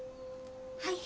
はい。